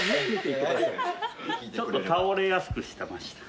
ちょっと倒れやすくしました。